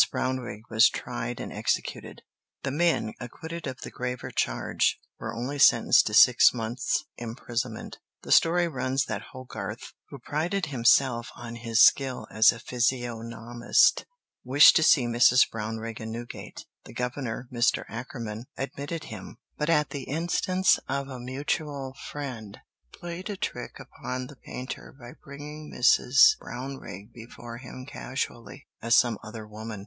Brownrigg was tried and executed; the men, acquitted of the graver charge, were only sentenced to six months' imprisonment. The story runs that Hogarth, who prided himself on his skill as a physiognomist, wished to see Mrs. Brownrigg in Newgate. The governor, Mr. Akerman, admitted him, but at the instance of a mutual friend played a trick upon the painter by bringing Mrs. Brownrigg before him casually, as some other woman.